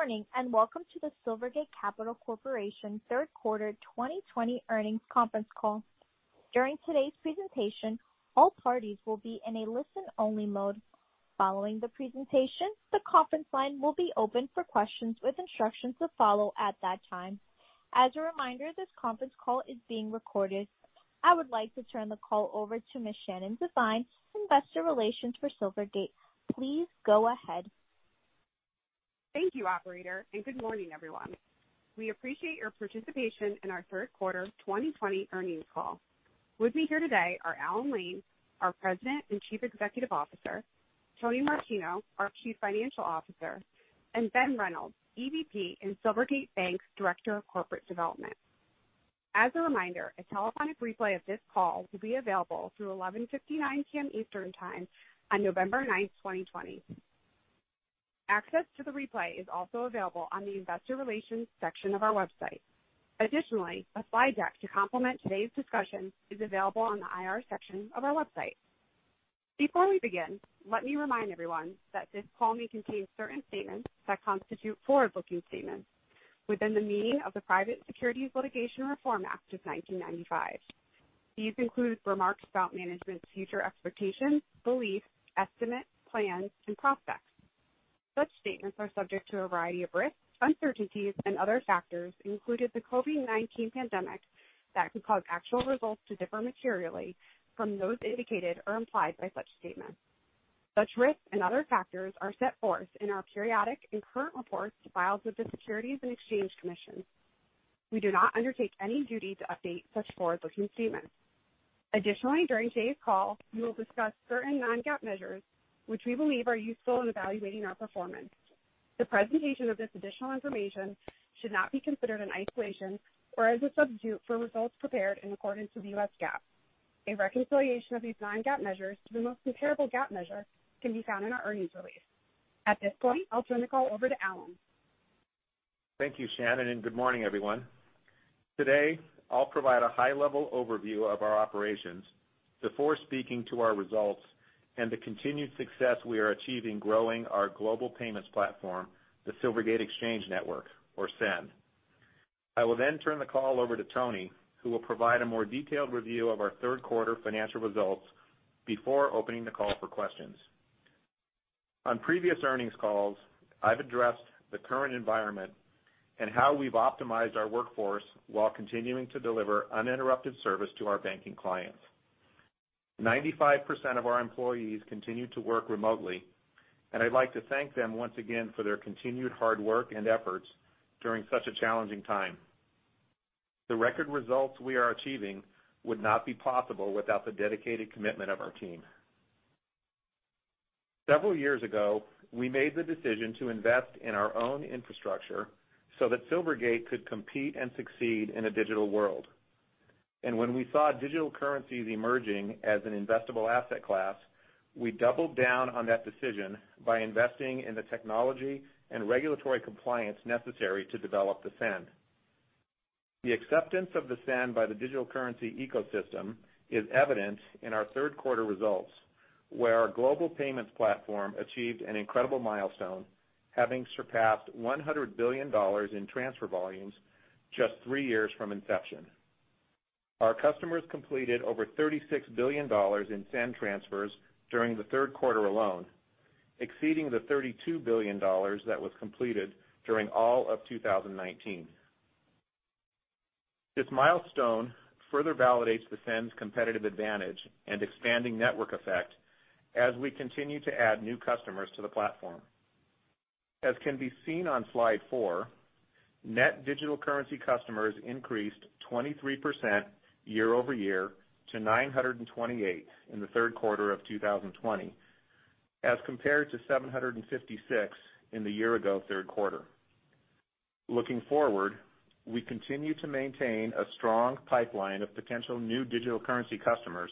Good morning, and welcome to the Silvergate Capital Corporation third quarter 2020 earnings conference call. During today's presentation, all parties will be in a listen-only mode. Following the presentation, the conference line will be open for questions with instructions to follow at that time. As a reminder, this conference call is being recorded. I would like to turn the call over to Ms. Shannon Devine, investor relations for Silvergate Capital Corporation. Please go ahead. Thank you, operator, and good morning, everyone. We appreciate your participation in our third quarter 2020 earnings call. With me here today are Alan Lane, our President and Chief Executive Officer, Tony Martino, our Chief Financial Officer, and Ben Reynolds, EVP and Silvergate Bank's Director of Corporate Development. As a reminder, a telephonic replay of this call will be available through 11:59 P.M. Eastern Time on November 9, 2020. Access to the replay is also available on the investor relations section of our website. Additionally, a slide deck to complement today's discussion is available on the IR section of our website. Before we begin, let me remind everyone that this call may contain certain statements that constitute forward-looking statements within the meaning of the Private Securities Litigation Reform Act of 1995. These include remarks about management's future expectations, beliefs, estimates, plans, and prospects. Such statements are subject to a variety of risks, uncertainties, and other factors, including the COVID-19 pandemic, that could cause actual results to differ materially from those indicated or implied by such statements. Such risks and other factors are set forth in our periodic and current reports filed with the Securities and Exchange Commission. We do not undertake any duty to update such forward-looking statements. Additionally, during today's call, we will discuss certain non-GAAP measures which we believe are useful in evaluating our performance. The presentation of this additional information should not be considered in isolation or as a substitute for results prepared in accordance with the US GAAP. A reconciliation of these non-GAAP measures to the most comparable GAAP measure can be found in our earnings release. At this point, I'll turn the call over to Alan. Thank you, Shannon, and good morning, everyone. Today, I'll provide a high-level overview of our operations before speaking to our results and the continued success we are achieving growing our global payments platform, the Silvergate Exchange Network, or SEN. I will turn the call over to Tony, who will provide a more detailed review of our third quarter financial results before opening the call for questions. On previous earnings calls, I've addressed the current environment and how we've optimized our workforce while continuing to deliver uninterrupted service to our banking clients. 95% of our employees continue to work remotely, and I'd like to thank them once again for their continued hard work and efforts during such a challenging time. The record results we are achieving would not be possible without the dedicated commitment of our team. Several years ago, we made the decision to invest in our own infrastructure so that Silvergate Capital Corporation could compete and succeed in a digital world. When we saw digital currencies emerging as an investable asset class, we doubled down on that decision by investing in the technology and regulatory compliance necessary to develop the SEN. The acceptance of the SEN by the digital currency ecosystem is evident in our third quarter results, where our global payments platform achieved an incredible milestone, having surpassed $100 billion in transfer volumes just three years from inception. Our customers completed over $36 billion in SEN transfers during the third quarter alone, exceeding the $32 billion that was completed during all of 2019. This milestone further validates the SEN's competitive advantage and expanding network effect as we continue to add new customers to the platform. As can be seen on slide four, net digital currency customers increased 23% year-over-year to 928 in Q3 2020, as compared to 756 in the year-ago third quarter. Looking forward, we continue to maintain a strong pipeline of potential new digital currency customers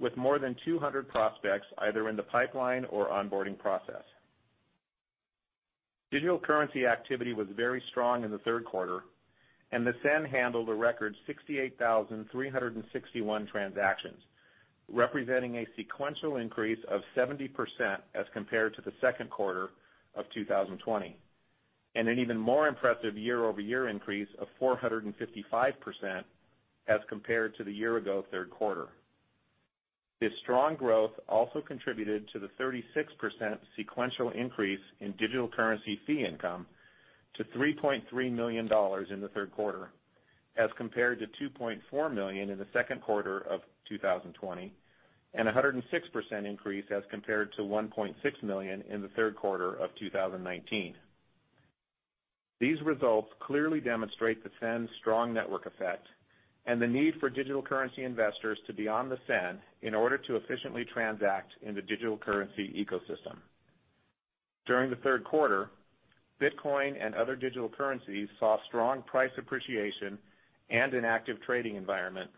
with more than 200 prospects either in the pipeline or onboarding process. Digital currency activity was very strong in the third quarter, and the SEN handled a record 68,361 transactions, representing a sequential increase of 70% as compared to the second quarter of 2020, and an even more impressive year-over-year increase of 455% as compared to the year-ago third quarter. This strong growth also contributed to the 36% sequential increase in digital currency fee income to $3.3 million in the third quarter, as compared to $2.4 million in the second quarter of 2020, and 106% increase as compared to $1.6 million in the third quarter of 2019. These results clearly demonstrate the SEN's strong network effect and the need for digital currency investors to be on the SEN in order to efficiently transact in the digital currency ecosystem. During the third quarter, Bitcoin and other digital currencies saw strong price appreciation and an active trading environment,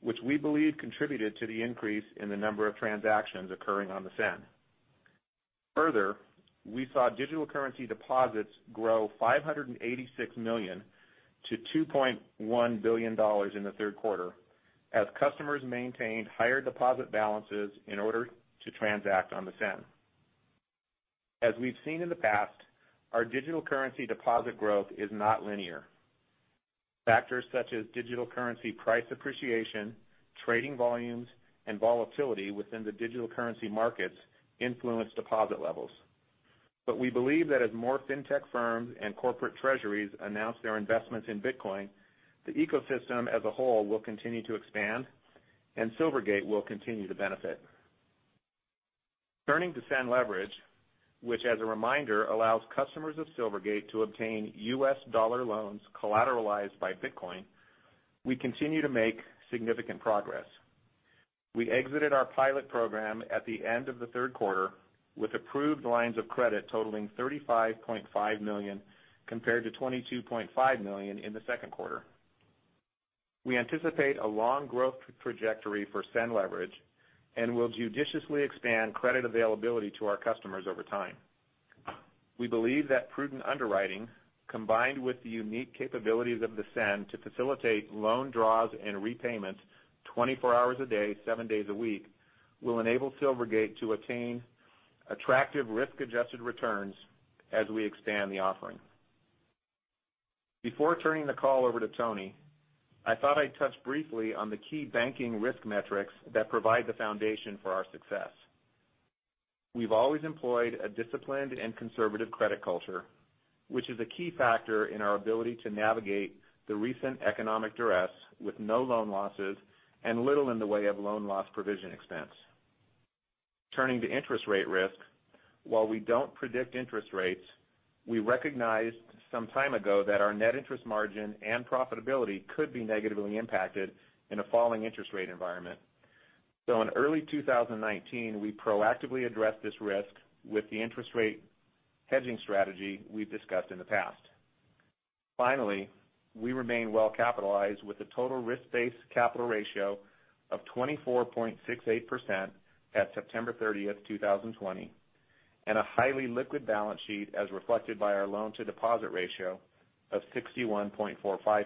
which we believe contributed to the increase in the number of transactions occurring on the SEN. We saw digital currency deposits grow $586 million to $2.1 billion in the third quarter as customers maintain higher deposit balances in order to transact on the SEN. As we've seen in the past, our digital currency deposit growth is not linear. Factors such as digital currency price appreciation, trading volumes, and volatility within the digital currency markets influence deposit levels. We believe that as more fintech firms and corporate treasuries announce their investments in Bitcoin, the ecosystem as a whole will continue to expand, and Silvergate Capital Corporation will continue to benefit. Turning to SEN Leverage, which, as a reminder, allows customers of Silvergate Capital Corporation to obtain US dollar loans collateralized by Bitcoin, we continue to make significant progress. We exited our pilot program at the end of the third quarter with approved lines of credit totaling $35.5 million, compared to $22.5 million in the second quarter. We anticipate a long growth trajectory for SEN Leverage and will judiciously expand credit availability to our customers over time. We believe that prudent underwriting, combined with the unique capabilities of the SEN to facilitate loan draws and repayment 24 hours a day, seven days a week, will enable Silvergate Capital Corporation to attain attractive risk-adjusted returns as we expand the offering. Before turning the call over to Tony, I thought I'd touch briefly on the key banking risk metrics that provide the foundation for our success. We've always employed a disciplined and conservative credit culture, which is a key factor in our ability to navigate the recent economic duress with no loan losses and little in the way of loan loss provision expense. Turning to interest rate risk, while we don't predict interest rates, we recognized some time ago that our net interest margin and profitability could be negatively impacted in a falling interest rate environment. In early 2019, we proactively addressed this risk with the interest rate hedging strategy we've discussed in the past. Finally, we remain well-capitalized with a total risk-based capital ratio of 24.68% at September 30th, 2020, and a highly liquid balance sheet as reflected by our loan-to-deposit ratio of 61.45%.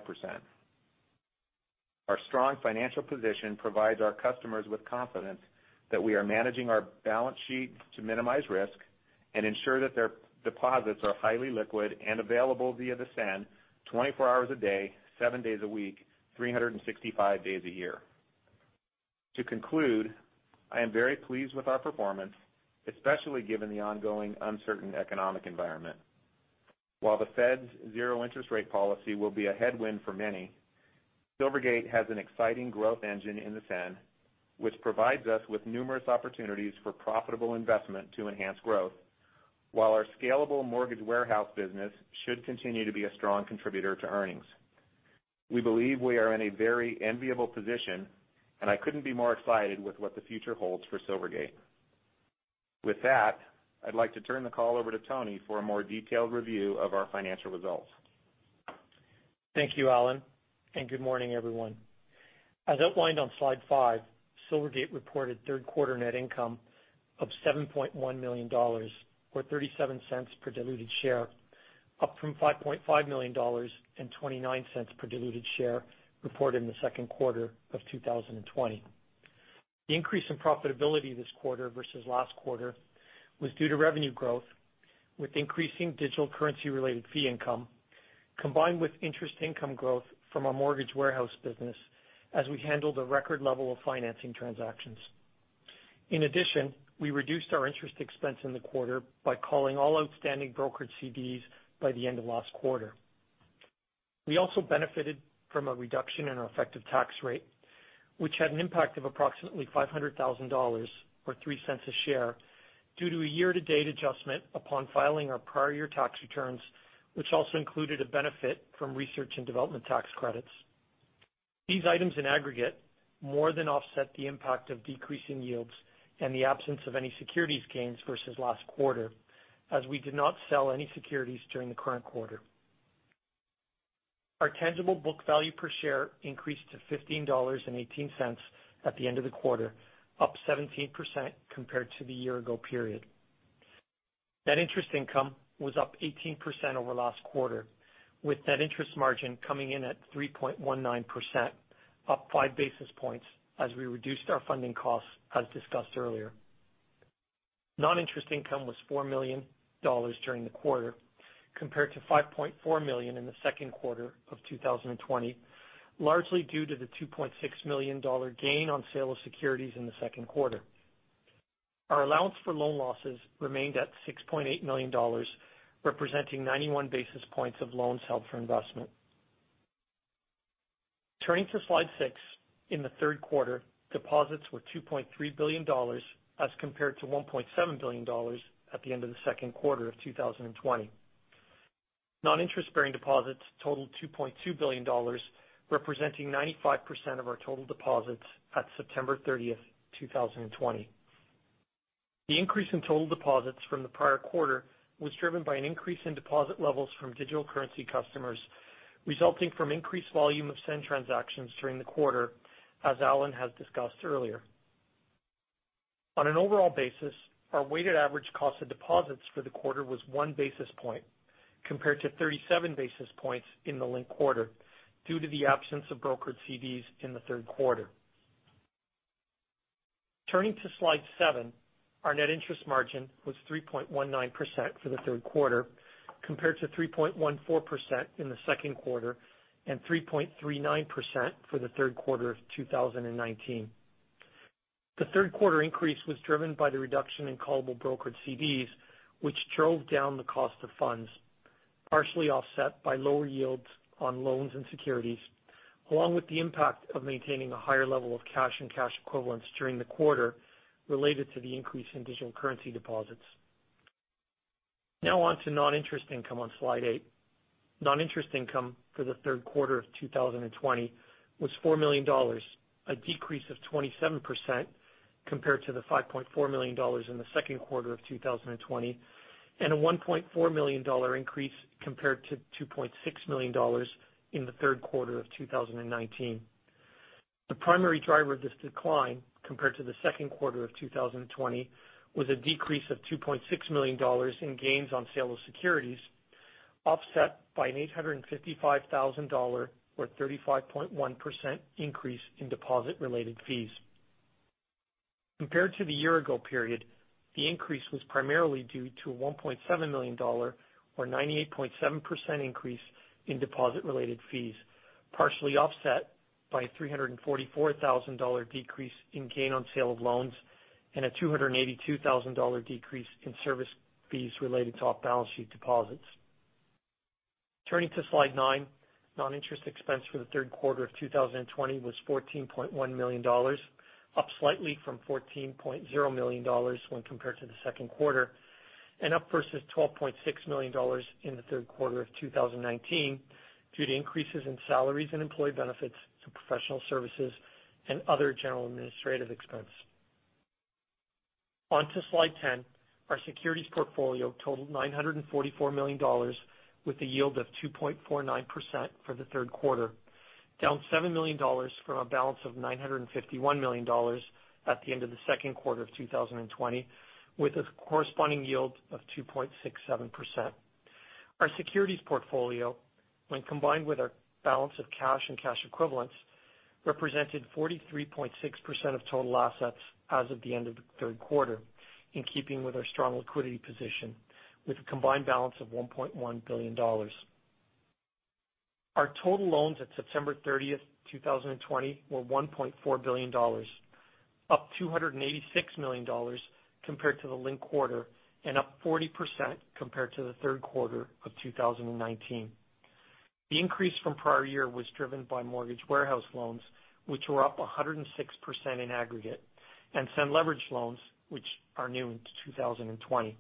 Our strong financial position provides our customers with confidence that we are managing our balance sheet to minimize risk and ensure that their deposits are highly liquid and available via the SEN 24 hours a day, seven days a week, 365 days a year. To conclude, I am very pleased with our performance, especially given the ongoing uncertain economic environment. While the Fed's zero interest rate policy will be a headwind for many, Silvergate Capital Corporation has an exciting growth engine in the SEN, which provides us with numerous opportunities for profitable investment to enhance growth, while our scalable mortgage warehouse business should continue to be a strong contributor to earnings. We believe we are in a very enviable position, and I couldn't be more excited with what the future holds for Silvergate Capital Corporation. With that, I'd like to turn the call over to Tony for a more detailed review of our financial results. Thank you, Alan, and good morning, everyone. As outlined on slide five, Silvergate Capital Corporation reported third-quarter net income of $7.1 million, or $0.37 per diluted share, up from $5.5 million and $0.29 per diluted share reported in the second quarter of 2020. The increase in profitability this quarter versus last quarter was due to revenue growth, with increasing digital currency-related fee income, combined with interest income growth from our mortgage warehouse business as we handled a record level of financing transactions. In addition, we reduced our interest expense in the quarter by calling all outstanding brokered CDs by the end of last quarter. We also benefited from a reduction in our effective tax rate, which had an impact of approximately $500,000 or $0.03 a share due to a year-to-date adjustment upon filing our prior year tax returns, which also included a benefit from research and development tax credits. These items in aggregate more than offset the impact of decreasing yields and the absence of any securities gains versus last quarter, as we did not sell any securities during the current quarter. Our tangible book value per share increased to $15.18 at the end of the quarter, up 17% compared to the year-ago period. Net interest income was up 18% over last quarter, with net interest margin coming in at 3.19%, up five basis points as we reduced our funding costs, as discussed earlier. Non-interest income was $4 million during the quarter, compared to $5.4 million in the second quarter of 2020, largely due to the $2.6 million gain on sale of securities in the second quarter. Our allowance for loan losses remained at $6.8 million, representing 91 basis points of loans held for investment. Turning to slide six. In Q3, deposits were $2.3 billion as compared to $1.7 billion at the end of Q2 2020. Non-interest-bearing deposits totaled $2.2 billion, representing 95% of our total deposits at September 30th, 2020. The increase in total deposits from the prior quarter was driven by an increase in deposit levels from digital currency customers, resulting from increased volume of SEN transactions during the quarter, as Alan has discussed earlier. On an overall basis, our weighted average cost of deposits for the quarter was one basis point, compared to 37 basis points in the linked quarter, due to the absence of brokered CDs in Q3. Turning to slide seven, our net interest margin was 3.19% for Q3, compared to 3.14% in Q2, and 3.39% for Q3 2019. The third quarter increase was driven by the reduction in callable brokered CDs, which drove down the cost of funds, partially offset by lower yields on loans and securities, along with the impact of maintaining a higher level of cash and cash equivalents during the quarter related to the increase in digital currency deposits. Now on to non-interest income on slide eight. Non-interest income for the third quarter of 2020 was $4 million, a decrease of 27% compared to the $5.4 million in the second quarter of 2020, and a $1.4 million increase compared to $2.6 million in the third quarter of 2019. The primary driver of this decline compared to the second quarter of 2020 was a decrease of $2.6 million in gains on sale of securities, offset by an $855,000, or 35.1% increase in deposit-related fees. Compared to the year-ago period, the increase was primarily due to a $1.7 million, or 98.7% increase in deposit-related fees, partially offset by a $344,000 decrease in gain on sale of loans and a $282,000 decrease in service fees related to off-balance-sheet deposits. Turning to slide nine, non-interest expense for the third quarter of 2020 was $14.1 million, up slightly from $14.0 million when compared to the second quarter, and up versus $12.6 million in the third quarter of 2019 due to increases in salaries and employee benefits, professional services and other general administrative expense. On to slide 10, our securities portfolio totaled $944 million with a yield of 2.49% for the third quarter, down $7 million from a balance of $951 million at the end of the second quarter of 2020, with a corresponding yield of 2.67%. Our securities portfolio, when combined with our balance of cash and cash equivalents, represented 43.6% of total assets as of the end of the third quarter, in keeping with our strong liquidity position with a combined balance of $1.1 billion. Our total loans at September 30th, 2020, were $1.4 billion, up $286 million compared to the linked quarter and up 40% compared to the third quarter of 2019. The increase from prior year was driven by mortgage warehouse loans, which were up 106% in aggregate, and SEN Leverage loans which are new to 2020.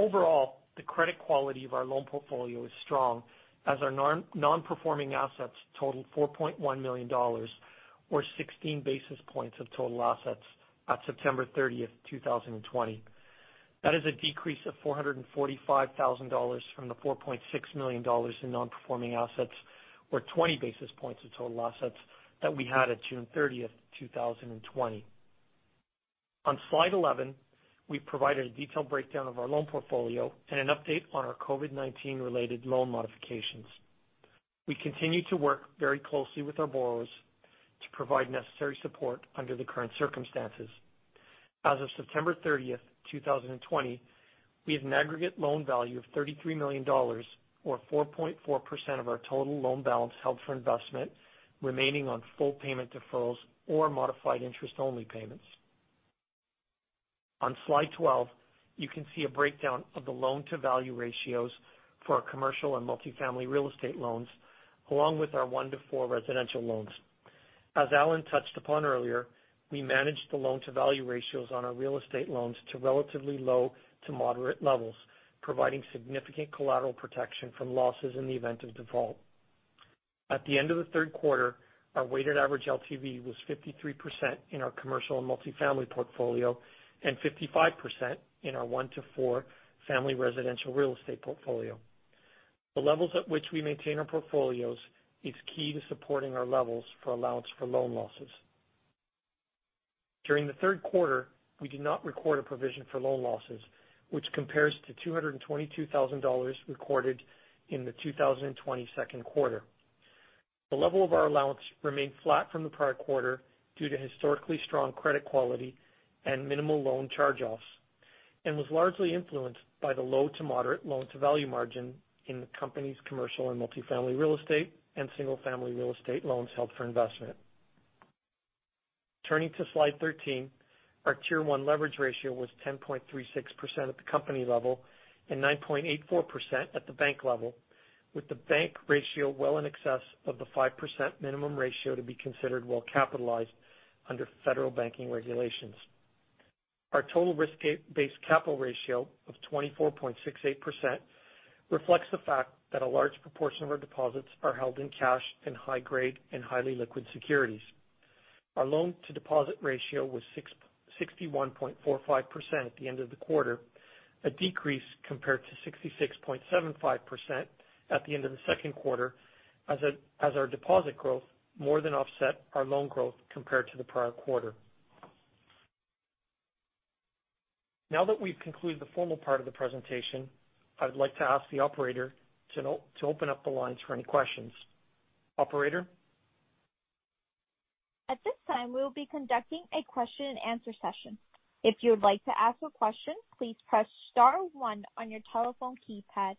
Overall, the credit quality of our loan portfolio is strong, as our non-performing assets totaled $4.1 million, or 16 basis points of total assets at September 30th, 2020. That is a decrease of $445,000 from the $4.6 million in non-performing assets, or 20 basis points of total assets that we had at June 30th, 2020. On slide 11, we provided a detailed breakdown of our loan portfolio and an update on our COVID-19 related loan modifications. We continue to work very closely with our borrowers to provide necessary support under the current circumstances. As of September 30th, 2020, we have an aggregate loan value of $33 million, or 4.4% of our total loan balance held for investment remaining on full payment deferrals or modified interest-only payments. On slide 12, you can see a breakdown of the loan-to-value ratios for our commercial and multifamily real estate loans, along with our one to four residential loans. As Alan touched upon earlier, we managed the loan-to-value ratios on our real estate loans to relatively low to moderate levels, providing significant collateral protection from losses in the event of default. At the end of the third quarter, our weighted average LTV was 53% in our commercial and multifamily portfolio and 55% in our one to four family residential real estate portfolio. The levels at which we maintain our portfolios is key to supporting our levels for allowance for loan losses. During the third quarter, we did not record a provision for loan losses, which compares to $222,000 recorded in the 2020 second quarter. The level of our allowance remained flat from the prior quarter due to historically strong credit quality and minimal loan charge-offs, and was largely influenced by the low to moderate loan-to-value margin in the company's commercial and multifamily real estate and single-family real estate loans held for investment. Turning to slide 13, our Tier 1 leverage ratio was 10.36% at the company level and 9.84% at the bank level, with the bank ratio well in excess of the 5% minimum ratio to be considered well-capitalized under federal banking regulations. Our total risk-based capital ratio of 24.68% reflects the fact that a large proportion of our deposits are held in cash and high-grade and highly liquid securities. Our loan to deposit ratio was 61.45% at the end of the quarter, a decrease compared to 66.75% at the end of the second quarter as our deposit growth more than offset our loan growth compared to the prior quarter. Now that we've concluded the formal part of the presentation, I'd like to ask the operator to open up the lines for any questions. Operator? At this time, we will be conducting a question-and-answer session. If you would like to ask a question, please press star one on your telephone keypad.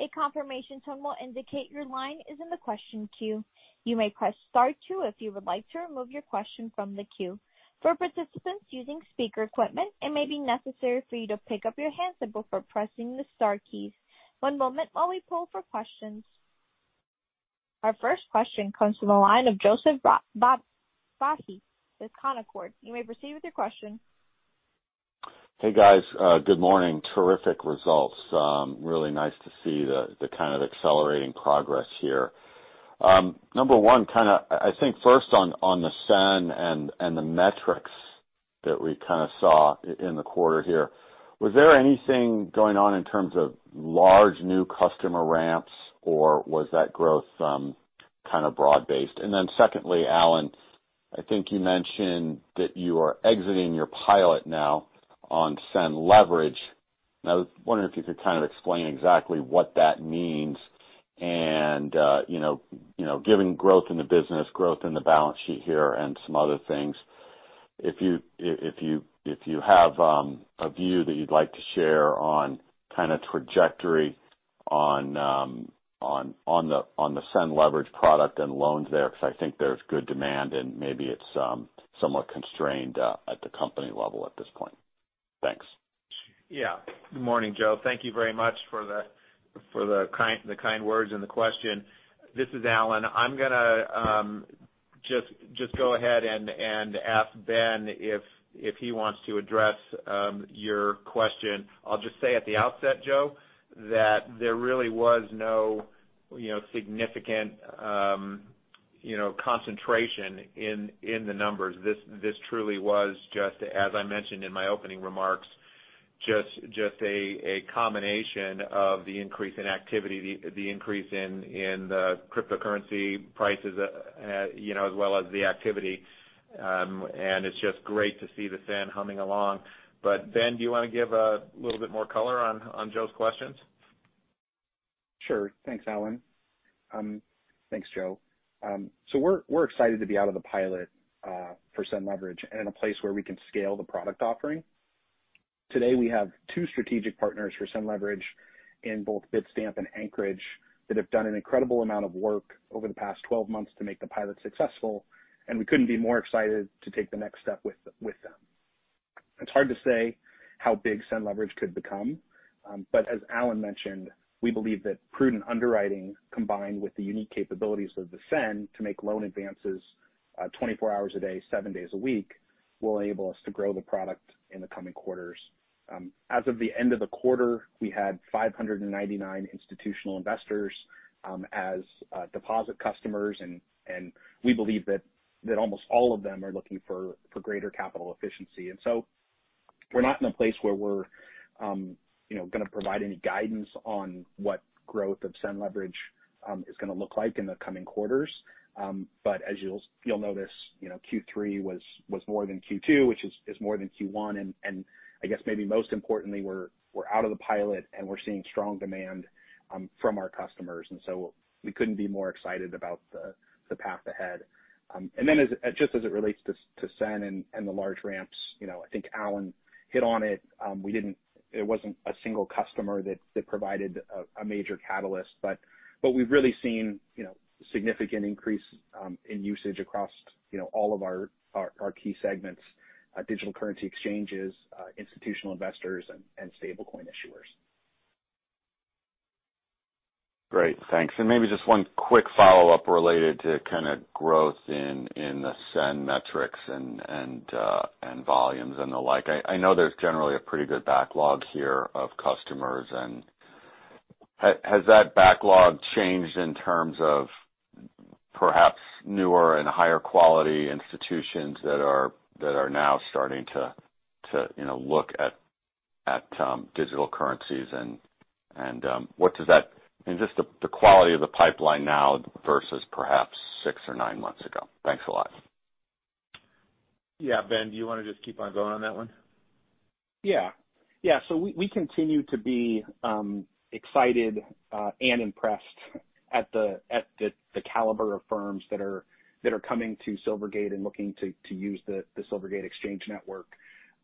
A confirmation tone will indicate your line is in the question queue. You may press star two if you would like to remove your question from the queue. For participants using speaker equipment, it may be necessary for you to pick up your handset before pressing the star key. One moment while we poll for questions. Our first question comes from the line of Joseph Vafi with Canaccord. You may proceed with your question. Hey, guys. Good morning. Terrific results. Really nice to see the kind of accelerating progress here. Number one, I think first on the SEN and the metrics that we kind of saw in the quarter here. Was there anything going on in terms of large new customer ramps, or was that growth kind of broad based? Secondly, Alan, I think you mentioned that you are exiting your pilot now on SEN Leverage. I was wondering if you could kind of explain exactly what that means and giving growth in the business, growth in the balance sheet here, and some other things. If you have a view that you'd like to share on kind of trajectory on the SEN Leverage product and loans there, because I think there's good demand and maybe it's somewhat constrained at the company level at this point. Thanks. Yeah. Good morning, Joseph. Thank you very much for the kind words and the question. This is Alan. I'm going to just go ahead and ask Ben if he wants to address your question. I'll just say at the outset, Joseph, that there really was no significant concentration in the numbers. This truly was just, as I mentioned in my opening remarks, just a combination of the increase in activity, the increase in the cryptocurrency prices as well as the activity. It's just great to see the SEN humming along. Ben, do you want to give a little bit more color on Joseph's questions? Sure. Thanks, Alan. Thanks, Joseph. We're excited to be out of the pilot for SEN Leverage and in a place where we can scale the product offering. Today, we have two strategic partners for SEN Leverage in both Bitstamp and Anchorage that have done an incredible amount of work over the past 12 months to make the pilot successful, and we couldn't be more excited to take the next step with them. It's hard to say how big SEN Leverage could become. As Alan mentioned, we believe that prudent underwriting, combined with the unique capabilities of the SEN to make loan advances 24 hours a day, seven days a week, will enable us to grow the product in the coming quarters. As of the end of the quarter, we had 599 institutional investors as deposit customers, and we believe that almost all of them are looking for greater capital efficiency. We're not in a place where we're going to provide any guidance on what growth of SEN Leverage is going to look like in the coming quarters. As you'll notice, Q3 was more than Q2, which is more than Q1. I guess maybe most importantly, we're out of the pilot and we're seeing strong demand from our customers, and so we couldn't be more excited about the path ahead. Just as it relates to SEN and the large ramps, I think Alan hit on it. It wasn't a single customer that provided a major catalyst. We've really seen significant increase in usage across all of our key segments, digital currency exchanges, institutional investors, and stablecoin issuers. Great. Thanks. Maybe just one quick follow-up related to kind of growth in the SEN metrics and volumes and the like. I know there's generally a pretty good backlog here of customers. Has that backlog changed in terms of perhaps newer and higher quality institutions that are now starting to look at digital currencies and just the quality of the pipeline now versus perhaps six or nine months ago. Thanks a lot. Yeah. Ben, do you want to just keep on going on that one? Yeah. We continue to be excited and impressed at the caliber of firms that are coming to Silvergate Capital Corporation and looking to use the Silvergate Exchange Network.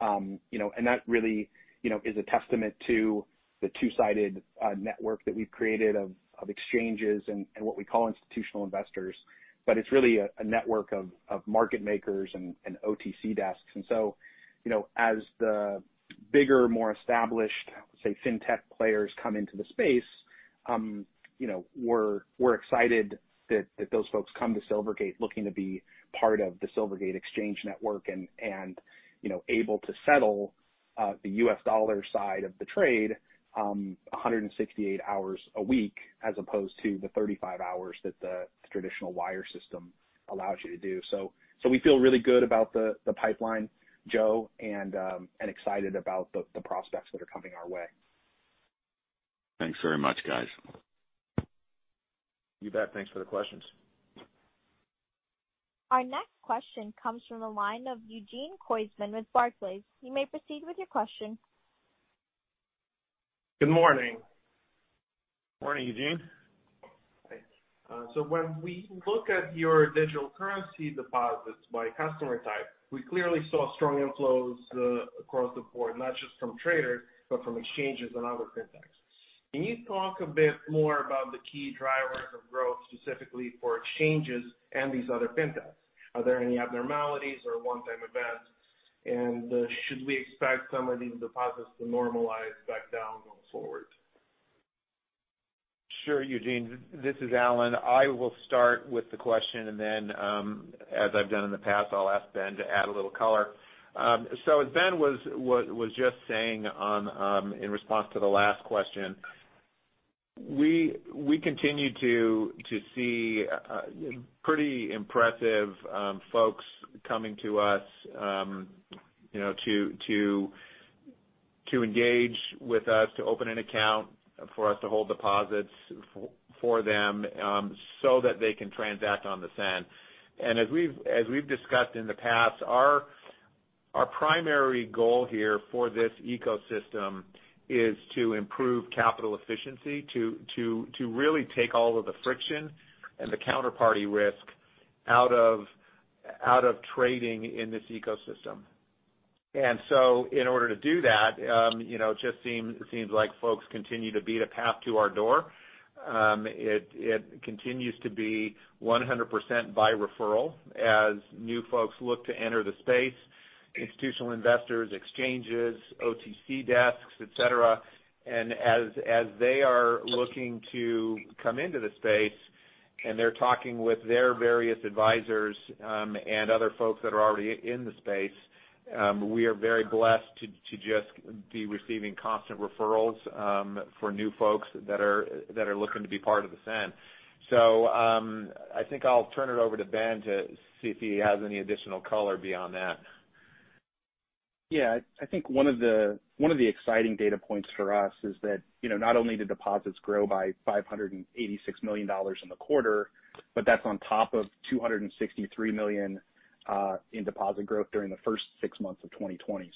That really is a testament to the two-sided network that we've created of exchanges and what we call institutional investors. It's really a network of market makers and OTC desks. As the bigger, more established, say, fintech players come into the space, we're excited that those folks come to Silvergate Capital Corporation looking to be part of the Silvergate Exchange Network and able to settle the US dollar side of the trade, 168 hours a week as opposed to the 35 hours that the traditional wire system allows you to do. We feel really good about the pipeline, Joseph, and excited about the prospects that are coming our way. Thanks very much, guys. You bet. Thanks for the questions. Our next question comes from the line of Eugene Koysman with Barclays. You may proceed with your question. Good morning. Morning, Eugene. Thanks. When we look at your digital currency deposits by customer type, we clearly saw strong inflows across the board, not just from traders, but from exchanges and other fintechs. Can you talk a bit more about the key drivers of growth, specifically for exchanges and these other fintechs? Are there any abnormalities or one-time events? Should we expect some of these deposits to normalize back down going forward? Sure, Eugene. This is Alan. I will start with the question, then, as I've done in the past, I'll ask Ben to add a little color. As Ben was just saying in response to the last question, we continue to see pretty impressive folks coming to us to engage with us, to open an account for us to hold deposits for them, so that they can transact on the SEN. As we've discussed in the past, our primary goal here for this ecosystem is to improve capital efficiency, to really take all of the friction and the counterparty risk out of trading in this ecosystem. In order to do that, it just seems like folks continue to beat a path to our door. It continues to be 100% by referral as new folks look to enter the space, institutional investors, exchanges, OTC desks, et cetera. As they are looking to come into the space and they're talking with their various advisors and other folks that are already in the space, we are very blessed to just be receiving constant referrals for new folks that are looking to be part of the SEN. I think I'll turn it over to Ben to see if he has any additional color beyond that. Yeah. I think one of the exciting data points for us is that not only did deposits grow by $586 million in the quarter, but that's on top of $263 million in deposit growth during the first six months of 2020.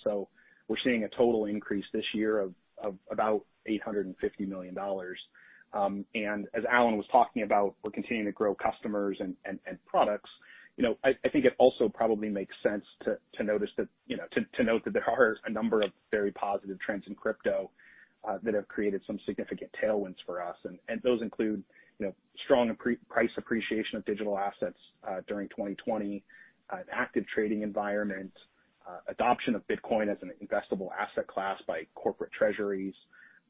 We're seeing a total increase this year of about $850 million. As Alan was talking about, we're continuing to grow customers and products. I think it also probably makes sense to note that there are a number of very positive trends in crypto that have created some significant tailwinds for us. Those include strong price appreciation of digital assets during 2020, an active trading environment, adoption of Bitcoin as an investable asset class by corporate treasuries,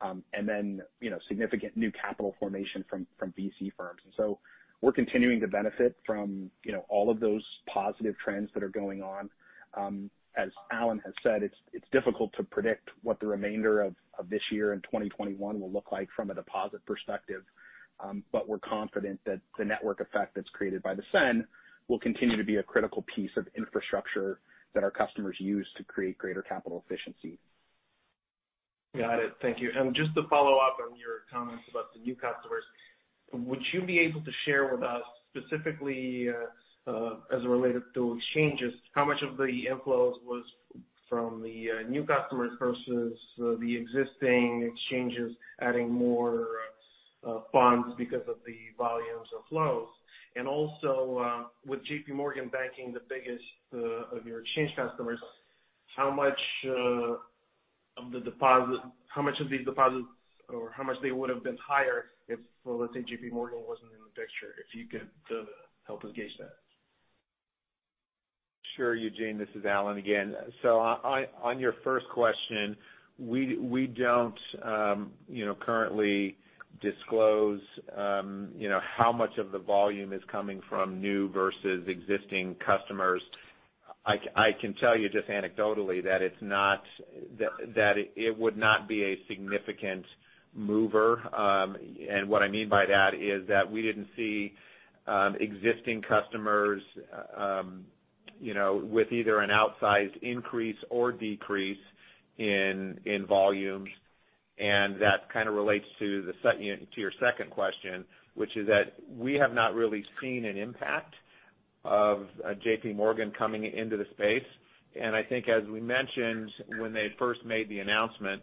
and then significant new capital formation from VC firms. We're continuing to benefit from all of those positive trends that are going on. As Alan has said, it's difficult to predict what the remainder of this year and 2021 will look like from a deposit perspective. We're confident that the network effect that's created by the SEN will continue to be a critical piece of infrastructure that our customers use to create greater capital efficiency. Got it. Thank you. Just to follow up on your comments about the new customers, would you be able to share with us specifically, as it related to exchanges, how much of the inflows was from the new customers versus the existing exchanges adding more funds because of the volumes of flows? Also, with JPMorgan banking the biggest of your exchange customers, how much of these deposits or how much they would've been higher if, let's say, JPMorgan wasn't in the picture? If you could help us gauge that. Sure, Eugene. This is Alan again. On your first question, we don't currently disclose how much of the volume is coming from new versus existing customers. I can tell you just anecdotally that it would not be a significant mover. What I mean by that is that we didn't see existing customers with either an outsized increase or decrease in volumes. That kind of relates to your second question, which is that we have not really seen an impact of JPMorgan coming into the space. I think as we mentioned when they first made the announcement,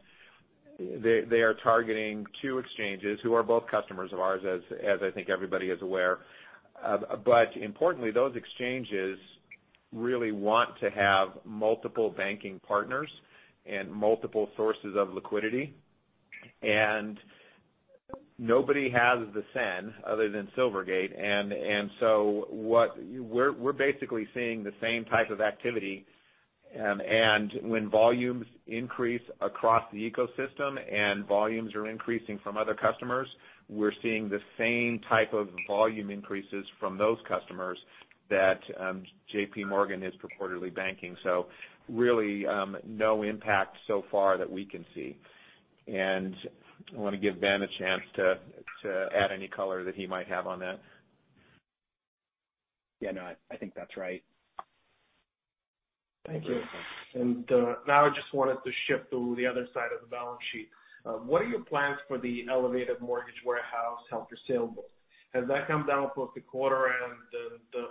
they are targeting two exchanges who are both customers of ours, as I think everybody is aware. Importantly, those exchanges really want to have multiple banking partners and multiple sources of liquidity. Nobody has the SEN other than Silvergate Capital Corporation. We're basically seeing the same type of activity. When volumes increase across the ecosystem and volumes are increasing from other customers, we're seeing the same type of volume increases from those customers that JPMorgan is purportedly banking. Really, no impact so far that we can see. I want to give Ben a chance to add any color that he might have on that. Yeah, no, I think that's right. Thank you. Now I just wanted to shift to the other side of the balance sheet. What are your plans for the elevated mortgage warehouse, held for sale book? Has that come down both the and quarter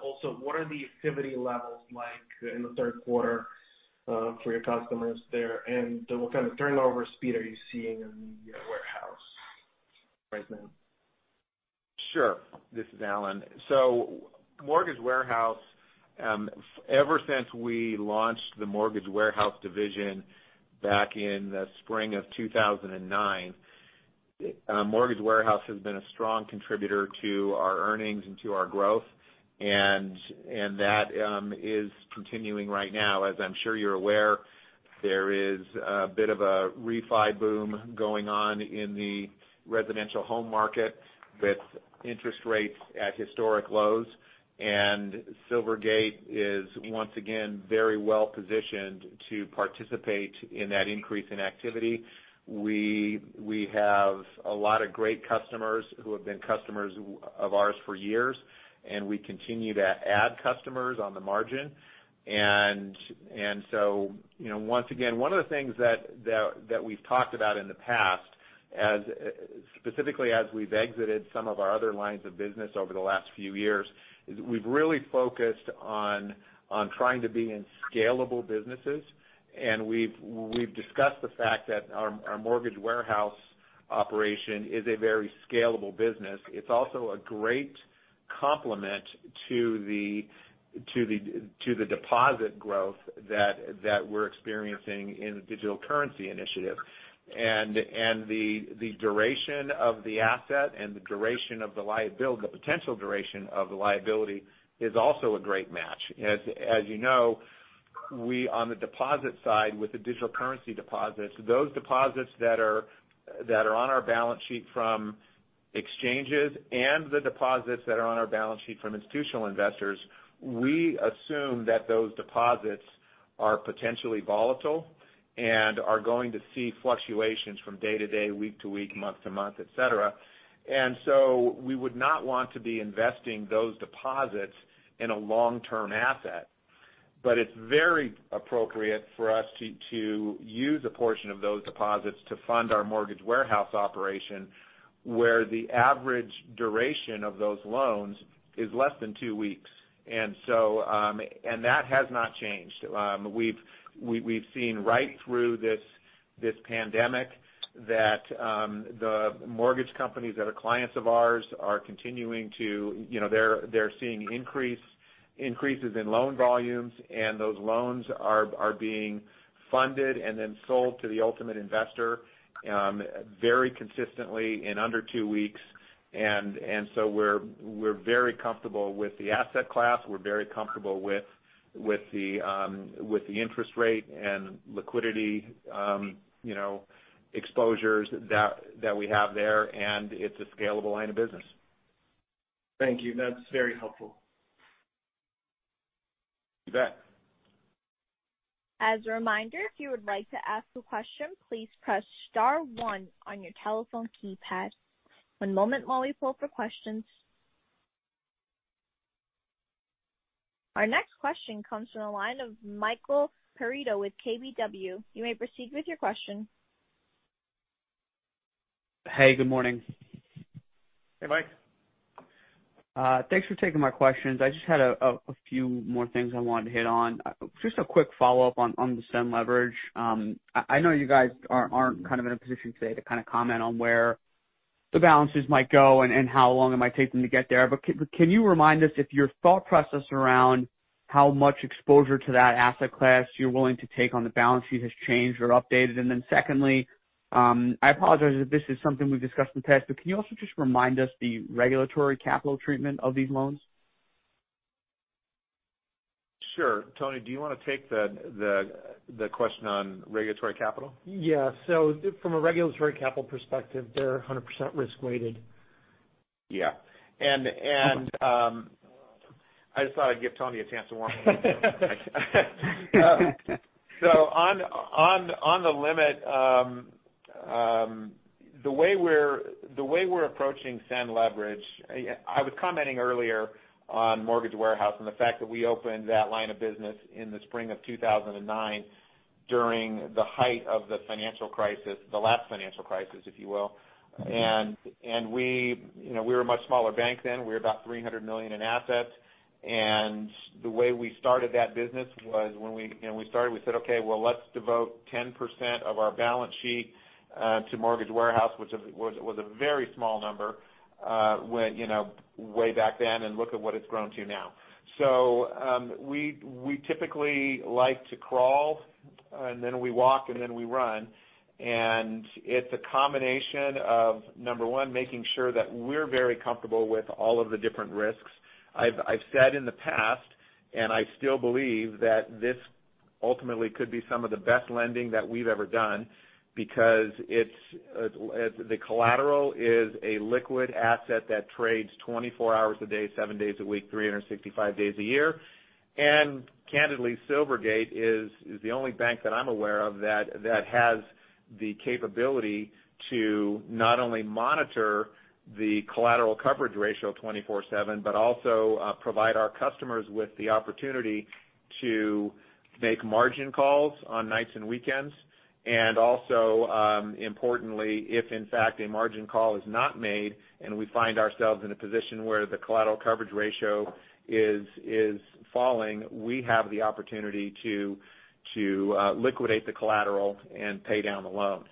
also what are the activity levels like in the third quarter for your customers there? What kind of turnover speed are you seeing in the warehouse right now? Sure. This is Alan. Mortgage warehouse, ever since we launched the mortgage warehouse division back in the spring of 2009, mortgage warehouse has been a strong contributor to our earnings and to our growth. That is continuing right now. As I'm sure you're aware, there is a bit of a refi boom going on in the residential home market with interest rates at historic lows. Silvergate Capital Corporation is once again, very well-positioned to participate in that increase in activity. We have a lot of great customers who have been customers of ours for years, and we continue to add customers on the margin. Once again, one of the things that we've talked about in the past, specifically as we've exited some of our other lines of business over the last few years, is we've really focused on trying to be in scalable businesses. We've discussed the fact that our mortgage warehouse operation is a very scalable business. It's also a great complement to the deposit growth that we're experiencing in the Digital Currency Initiative. The duration of the asset and the potential duration of the liability is also a great match. As you know, we, on the deposit side with the digital currency deposits, those deposits that are on our balance sheet from exchanges and the deposits that are on our balance sheet from institutional investors, we assume that those deposits are potentially volatile and are going to see fluctuations from day to day, week to week, month to month, et cetera. We would not want to be investing those deposits in a long-term asset. It's very appropriate for us to use a portion of those deposits to fund our mortgage warehouse operation, where the average duration of those loans is less than two weeks. That has not changed. We've seen right through this pandemic that the mortgage companies that are clients of ours are continuing to see increases in loan volumes, and those loans are being funded and then sold to the ultimate investor very consistently in under two weeks. We're very comfortable with the asset class. We're very comfortable with the interest rate and liquidity exposures that we have there, and it's a scalable line of business. Thank you. That's very helpful. You bet. As a reminder, if you would like to ask a question, please press star one on your telephone keypad. One moment while we poll for questions. Our next question comes from the line of Michael Perito with KBW. You may proceed with your question. Hey, good morning. Hey, Michael. Thanks for taking my questions. I just had a few more things I wanted to hit on. Just a quick follow-up on the SEN Leverage. I know you guys aren't in a position today to comment on where the balances might go and how long it might take them to get there. Can you remind us if your thought process around how much exposure to that asset class you're willing to take on the balance sheet has changed or updated? Secondly, I apologize if this is something we've discussed in the past, can you also just remind us the regulatory capital treatment of these loans? Sure. Tony, do you want to take the question on regulatory capital? Yeah. From a regulatory capital perspective, they're 100% risk-weighted. Yeah. I just thought I'd give Tony a chance to warm up. On the limit, the way we're approaching SEN Leverage— I was commenting earlier on mortgage warehouse and the fact that we opened that line of business in the spring of 2009 during the height of the financial crisis, the last financial crisis, if you will. We were a much smaller bank then. We were about $300 million in assets. The way we started that business was when we started, we said, "Okay, well, let's devote 10% of our balance sheet to mortgage warehouse," which was a very small number way back then, and look at what it's grown to now. We typically like to crawl, and then we walk, and then we run. It's a combination of, number one, making sure that we're very comfortable with all of the different risks. I've said in the past, I still believe that this ultimately could be some of the best lending that we've ever done because the collateral is a liquid asset that trades 24 hours a day, seven days a week, 365 days a year. Candidly, Silvergate Capital Corporation is the only bank that I'm aware of that has the capability to not only monitor the collateral coverage ratio 24/7, but also provide our customers with the opportunity to make margin calls on nights and weekends. Also, importantly, if in fact a margin call is not made and we find ourselves in a position where the collateral coverage ratio is falling, we have the opportunity to liquidate the collateral and pay down the loan.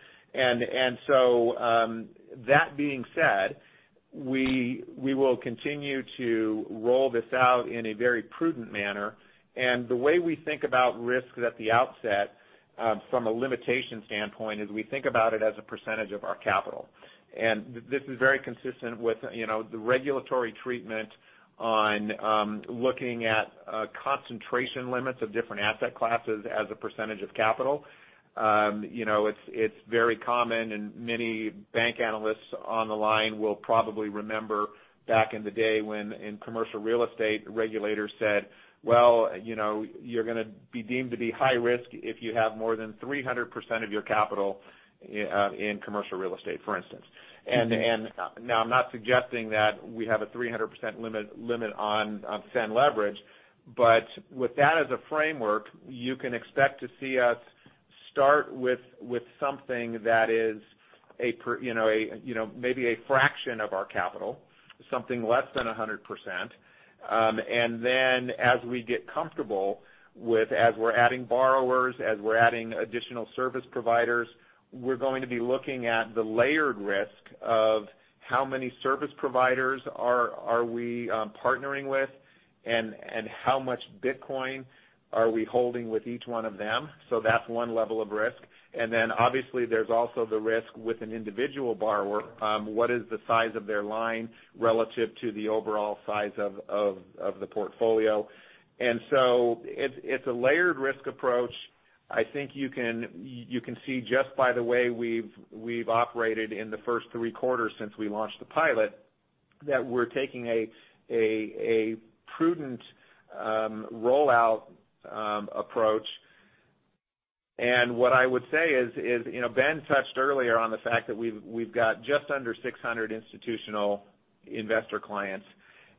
So, that being said, we will continue to roll this out in a very prudent manner. The way we think about risk at the outset, from a limitation standpoint, is we think about it as a percentage of our capital. This is very consistent with the regulatory treatment on looking at concentration limits of different asset classes as a percentage of capital. It's very common, and many bank analysts on the line will probably remember back in the day when in commercial real estate, regulators said, "Well, you're going to be deemed to be high risk if you have more than 300% of your capital in commercial real estate," for instance. Now, I'm not suggesting that we have a 300% limit on SEN Leverage. With that as a framework, you can expect to see us start with something that is maybe a fraction of our capital, something less than 100%. As we get comfortable with as we're adding borrowers, as we're adding additional service providers, we're going to be looking at the layered risk of how many service providers are we partnering with and how much Bitcoin are we holding with each one of them. That's one level of risk. Obviously there's also the risk with an individual borrower. What is the size of their line relative to the overall size of the portfolio? It's a layered risk approach. I think you can see just by the way we've operated in the first three quarters since we launched the pilot, that we're taking a prudent rollout approach. What I would say is, Ben touched earlier on the fact that we've got just under 600 institutional investor clients,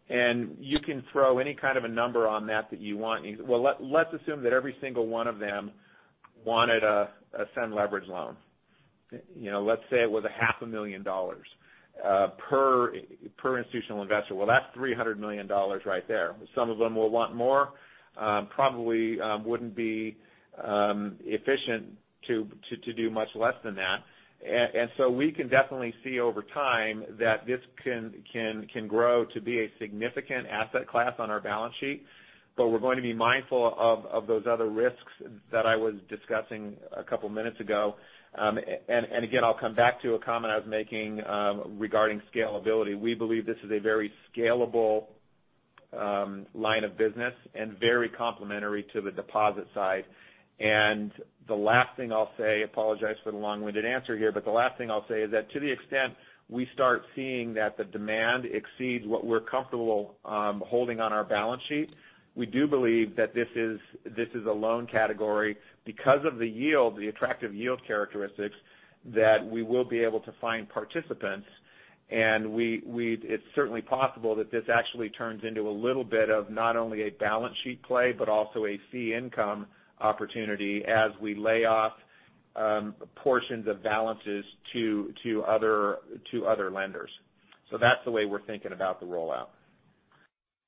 and you can throw any kind of a number on that that you want. Well, let's assume that every single one of them wanted a SEN Leverage loan. Let's say it was $500,000 million per institutional investor. Well, that's $300 million right there. Some of them will want more. Probably wouldn't be efficient to do much less than that. We can definitely see over time that this can grow to be a significant asset class on our balance sheet. We're going to be mindful of those other risks that I was discussing a couple of minutes ago. Again, I'll come back to a comment I was making regarding scalability. We believe this is a very scalable line of business and very complementary to the deposit side. The last thing I'll say, apologize for the long-winded answer here, but the last thing I'll say is that to the extent we start seeing that the demand exceeds what we're comfortable holding on our balance sheet, we do believe that this is a loan category because of the yield, the attractive yield characteristics, that we will be able to find participants. It's certainly possible that this actually turns into a little bit of not only a balance sheet play, but also a fee income opportunity as we lay off portions of balances to other lenders. That's the way we're thinking about the rollout.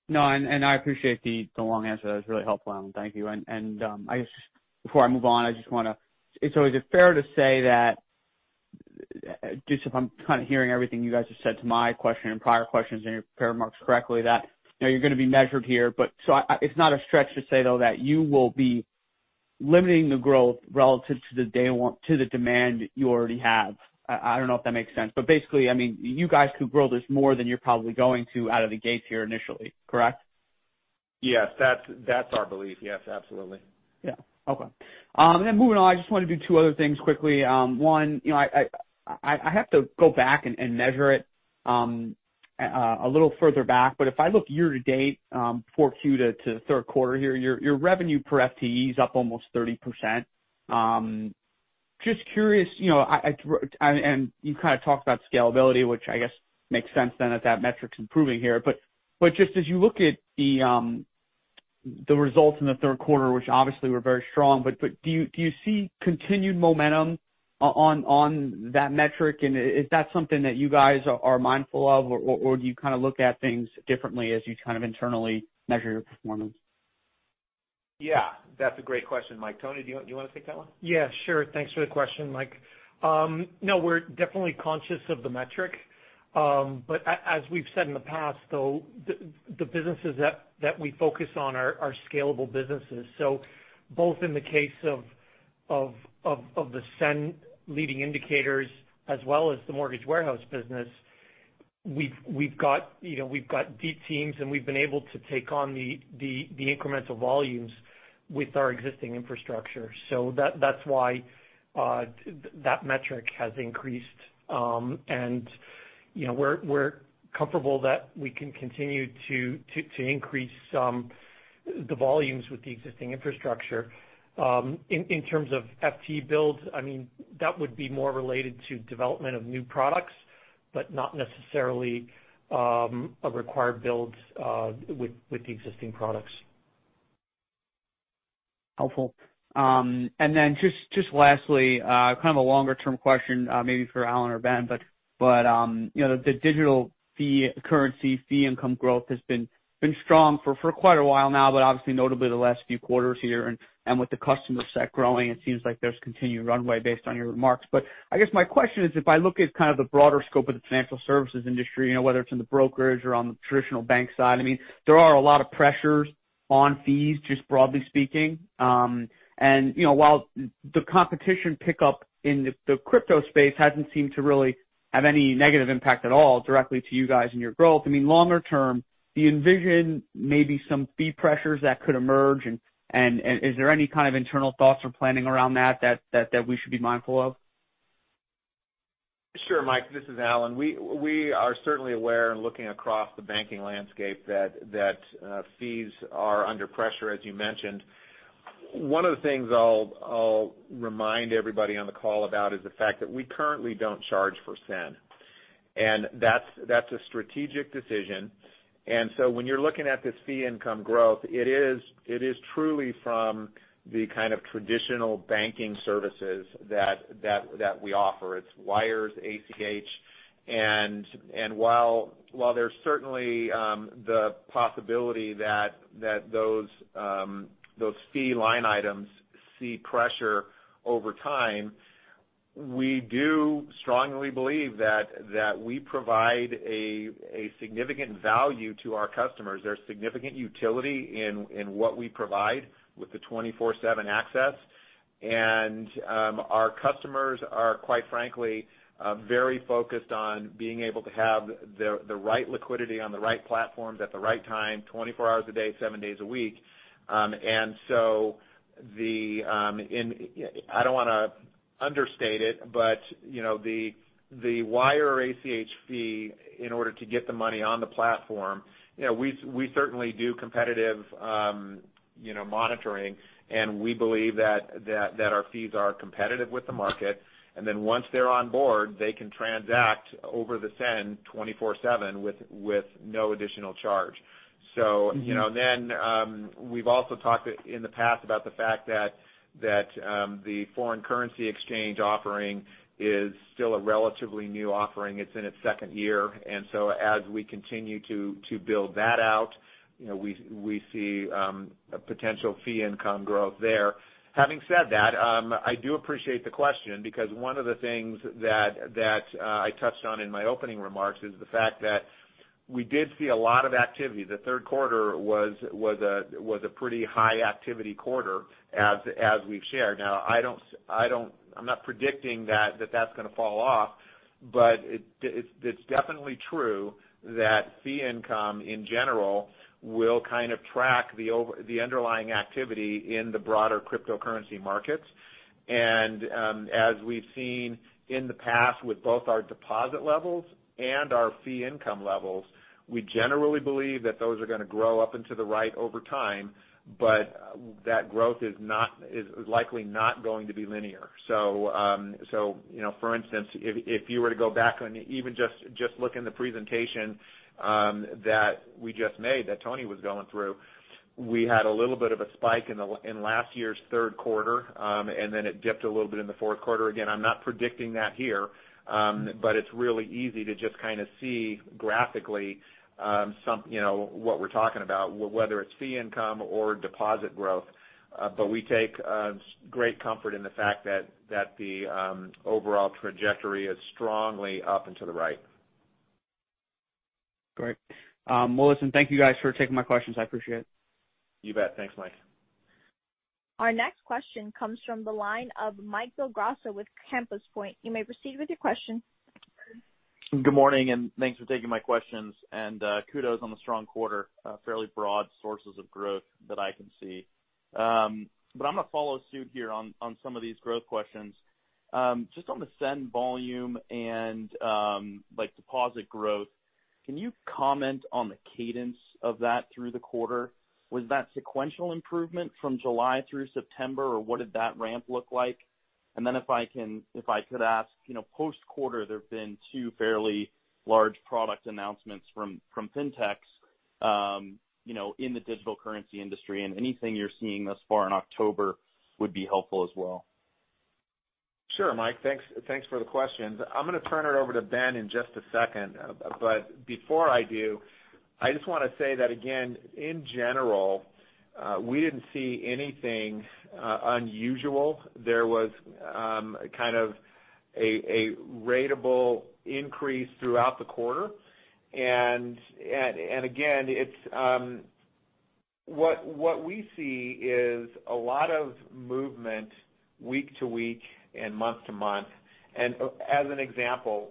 No. I appreciate the long answer. That was really helpful, Alan. Thank you. I guess before I move on, is it fair to say that, just if I'm kind of hearing everything you guys have said to my question and prior questions and your remarks correctly, that you're going to be measured here. It's not a stretch to say, though, that you will be limiting the growth relative to the demand you already have? I don't know if that makes sense. Basically, you guys could grow this more than you're probably going to out of the gates here initially, correct? Yes. That's our belief. Yes, absolutely. Yeah. Okay. Then moving on, I just want to do two other things quickly. One, I have to go back and measure it a little further back. If I look year to date, 4Q to third quarter here, your revenue per FTE is up almost 30%. Just curious. You kind of talked about scalability, which I guess makes sense then as that metric's improving here. Just as you look at the results in the third quarter, which obviously were very strong, but do you see continued momentum on that metric, and is that something that you guys are mindful of, or do you kind of look at things differently as you kind of internally measure your performance? Yeah. That's a great question, Michael. Tony, do you want to take that one? Yeah, sure. Thanks for the question, Michael. We're definitely conscious of the metric. As we've said in the past, the businesses that we focus on are scalable businesses. Both in the case of the SEN leading indicators as well as the mortgage warehouse business, we've got deep teams, and we've been able to take on the incremental volumes with our existing infrastructure. That's why that metric has increased. We're comfortable that we can continue to increase the volumes with the existing infrastructure. In terms of FTE builds, that would be more related to development of new products, but not necessarily required builds with the existing products. Helpful. Then just lastly, kind of a longer-term question maybe for Alan or Ben. The digital fee currency, fee income growth has been strong for quite a while now, but obviously notably the last few quarters here. With the customer set growing, it seems like there's continued runway based on your remarks. I guess my question is, if I look at kind of the broader scope of the financial services industry, whether it's in the brokerage or on the traditional bank side, there are a lot of pressures on fees, just broadly speaking. While the competition pickup in the crypto space hasn't seemed to really have any negative impact at all directly to you guys and your growth. Longer term, do you envision maybe some fee pressures that could emerge? Is there any kind of internal thoughts or planning around that we should be mindful of? Sure, Michael. This is Alan. We are certainly aware and looking across the banking landscape that fees are under pressure, as you mentioned. One of the things I'll remind everybody on the call about is the fact that we currently don't charge for SEN, and that's a strategic decision. So when you're looking at this fee income growth, it is truly from the kind of traditional banking services that we offer. It's wires, ACH. While there's certainly the possibility that those fee line items see pressure over time, we do strongly believe that we provide a significant value to our customers. There's significant utility in what we provide with the 24/7 access. Our customers are, quite frankly, very focused on being able to have the right liquidity on the right platforms at the right time, 24 hours a day, seven days a week. I don't want to understate it, but the wire or ACH fee in order to get the money on the platform, we certainly do competitive monitoring, and we believe that our fees are competitive with the market. Once they're on board, they can transact over the SEN 24/7 with no additional charge. We've also talked in the past about the fact that the foreign currency exchange offering is still a relatively new offering. It's in its second year. As we continue to build that out, we see a potential fee income growth there. Having said that, I do appreciate the question because one of the things that I touched on in my opening remarks is the fact that we did see a lot of activity. The third quarter was a pretty high-activity quarter, as we've shared. I'm not predicting that's going to fall off. It's definitely true that fee income in general will kind of track the underlying activity in the broader cryptocurrency markets. As we've seen in the past with both our deposit levels and our fee income levels, we generally believe that those are going to grow up into the right over time. That growth is likely not going to be linear. For instance, if you were to go back and even just look in the presentation that we just made, that Tony was going through, we had a little bit of a spike in last year's third quarter, and then it dipped a little bit in the fourth quarter. Again, I'm not predicting that here. It's really easy to just kind of see graphically what we're talking about, whether it's fee income or deposit growth. We take great comfort in the fact that the overall trajectory is strongly up and to the right. Great. Well, listen, thank you guys for taking my questions. I appreciate it. You bet. Thanks, Michael. Our next question comes from the line of Michael Del Grosso with Compass Point. You may proceed with your question. Good morning, thanks for taking my questions. Kudos on the strong quarter. Fairly broad sources of growth that I can see. I'm going to follow suit here on some of these growth questions. Just on the SEN volume and deposit growth, can you comment on the cadence of that through the quarter? Was that sequential improvement from July through September, or what did that ramp look like? If I could ask, post-quarter, there have been two fairly large product announcements from FinTechs in the digital currency industry. Anything you're seeing thus far in October would be helpful as well. Sure, Michael, thanks for the questions. I'm going to turn it over to Ben in just a second. Before I do, I just want to say that again, in general, we didn't see anything unusual. There was kind of a ratable increase throughout the quarter. Again, what we see is a lot of movement week to week and month to month. As an example,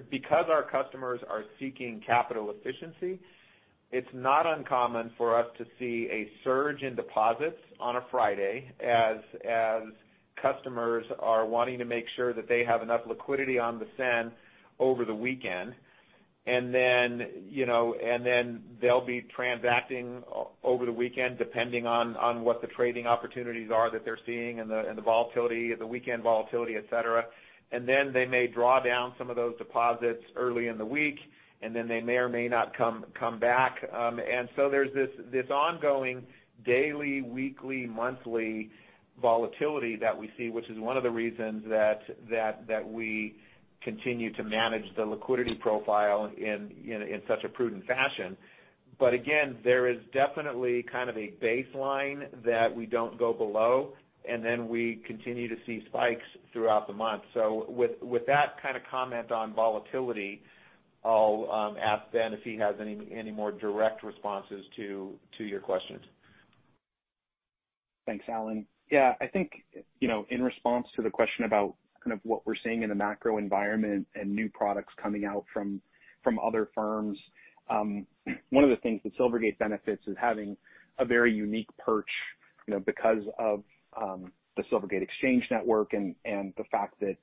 because our customers are seeking capital efficiency. It's not uncommon for us to see a surge in deposits on a Friday as customers are wanting to make sure that they have enough liquidity on the SEN over the weekend. Then they'll be transacting over the weekend, depending on what the trading opportunities are that they're seeing and the weekend volatility, et cetera. They may draw down some of those deposits early in the week, and then they may or may not come back. There's this ongoing daily, weekly, monthly volatility that we see, which is one of the reasons that we continue to manage the liquidity profile in such a prudent fashion. Again, there is definitely kind of a baseline that we don't go below, and then we continue to see spikes throughout the month. With that kind of comment on volatility, I'll ask Ben if he has any more direct responses to your questions. Thanks, Alan. Yeah, I think, in response to the question about kind of what we're seeing in the macro environment and new products coming out from other firms, one of the things that Silvergate Capital Corporation benefits is having a very unique perch because of the Silvergate Exchange Network and the fact that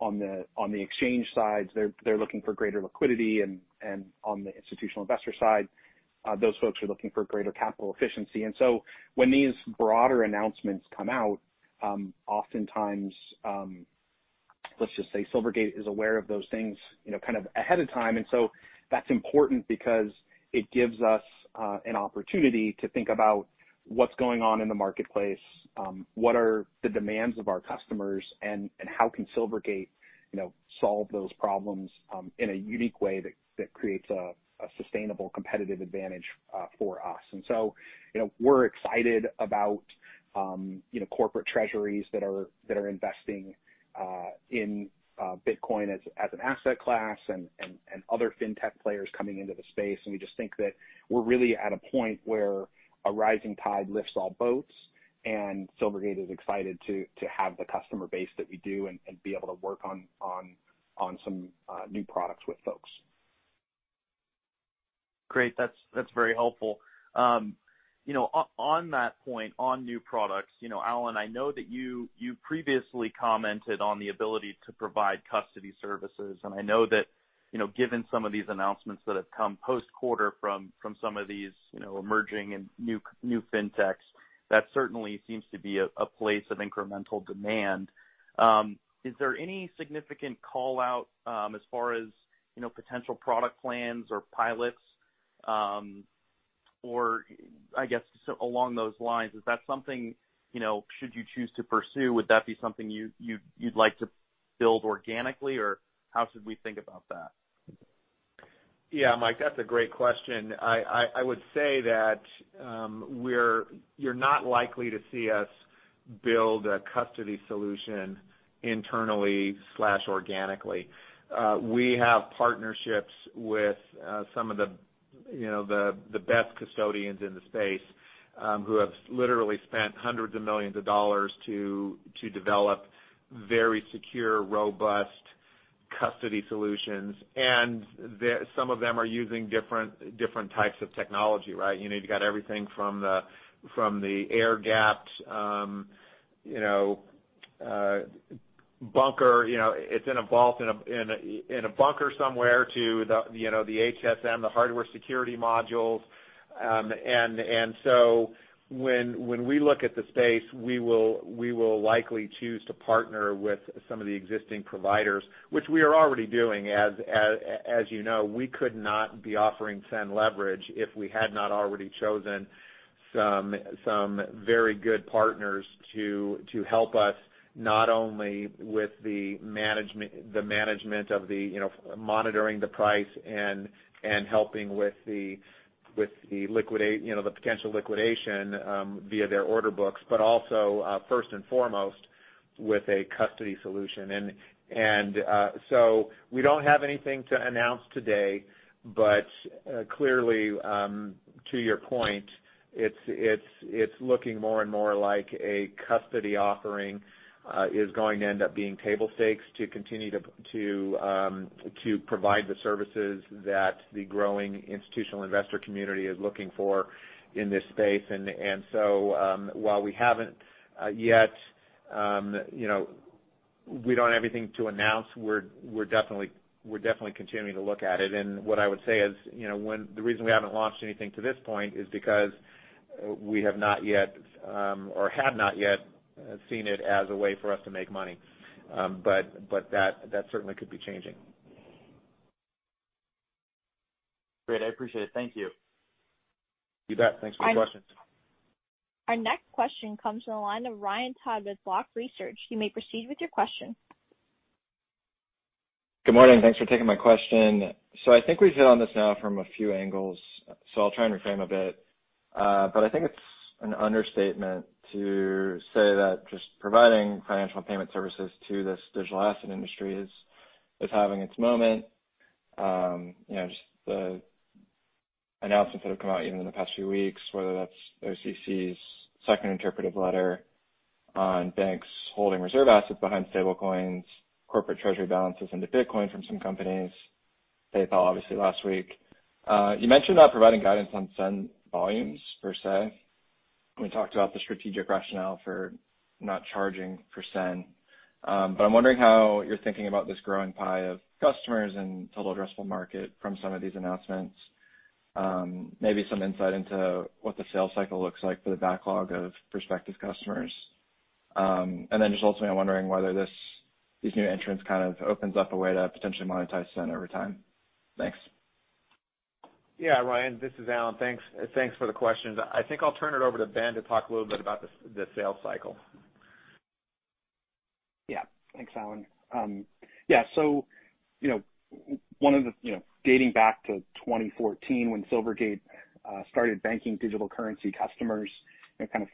on the exchange side, they're looking for greater liquidity, and on the institutional investor side, those folks are looking for greater capital efficiency. When these broader announcements come out, oftentimes, let's just say Silvergate Capital Corporation is aware of those things kind of ahead of time. That's important because it gives us an opportunity to think about what's going on in the marketplace, what are the demands of our customers, and how can Silvergate Capital Corportion solve those problems in a unique way that creates a sustainable competitive advantage for us. We're excited about corporate treasuries that are investing in Bitcoin as an asset class and other fintech players coming into the space. We just think that we're really at a point where a rising tide lifts all boats, and Silvergate Capital Corporation is excited to have the customer base that we do and be able to work on some new products with folks. Great. That's very helpful. On that point, on new products, Alan, I know that you previously commented on the ability to provide custody services, and I know that given some of these announcements that have come post-quarter from some of these emerging and new fintechs, that certainly seems to be a place of incremental demand. Is there any significant call-out as far as potential product plans or pilots? I guess along those lines, is that something, should you choose to pursue, would that be something you'd like to build organically, or how should we think about that? Yeah, Michael, that's a great question. I would say that you're not likely to see us build a custody solution internally or organically. We have partnerships with some of the best custodians in the space, who have literally spent 100s of millions of dollars to develop very secure, robust custody solutions. Some of them are using different types of technology, right? You got everything from the air-gapped bunker. It's in a vault in a bunker somewhere to the HSM, the hardware security modules. When we look at the space, we will likely choose to partner with some of the existing providers, which we are already doing. As you know, we could not be offering SEN Leverage if we had not already chosen some very good partners to help us, not only with the management of the monitoring the price and helping with the potential liquidation via their order books, but also, first and foremost, with a custody solution. We don't have anything to announce today, but clearly, to your point, it's looking more and more like a custody offering is going to end up being table stakes to continue to provide the services that the growing institutional investor community is looking for in this space. While we don't have anything to announce, we're definitely continuing to look at it. What I would say is, the reason we haven't launched anything to this point is because we have not yet or had not yet seen it as a way for us to make money. That certainly could be changing. Great. I appreciate it. Thank you. You bet. Thanks for the question. Our next question comes from the line of Ryan Todd with Block Research. You may proceed with your question. Good morning. Thanks for taking my question. I think we've hit on this now from a few angles, so I'll try and reframe a bit. I think it's an understatement to say that just providing financial payment services to this digital asset industry is having its moment. Just the announcements that have come out even in the past few weeks, whether that's OCC's second interpretive letter on banks holding reserve assets behind stablecoins, corporate treasury balances into Bitcoin from some companies. PayPal, obviously, last week. You mentioned not providing guidance on SEN volumes per se. We talked about the strategic rationale for not charging per SEN. I'm wondering how you're thinking about this growing pie of customers and total addressable market from some of these announcements. Maybe some insight into what the sales cycle looks like for the backlog of prospective customers. Just ultimately, I'm wondering whether these new entrants kind of opens up a way to potentially monetize SEN over time. Thanks. Yeah, Ryan, this is Alan. Thanks for the questions. I think I'll turn it over to Ben to talk a little bit about the sales cycle. Thanks, Alan. Dating back to 2014 when Silvergate Capital Corporation started banking digital currency customers,